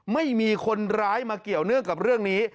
ไม่มีคนร้ายมาเกี่ยวเนื่องกับเรื่องนี้